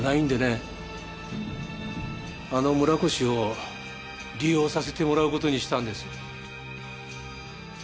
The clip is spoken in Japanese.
あの村越を利用させてもらう事にしたんです。